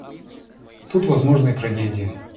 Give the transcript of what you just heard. Тут возможны и трагедии.